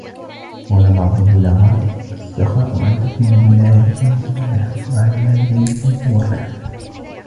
وَقَالَ بَعْضُ الْبُلَغَاءِ السَّخَاءُ أَنْ تَكُونَ بِمَالِك مُتَبَرِّعًا وَعَنْ مَالِ غَيْرِك مُتَوَرِّعًا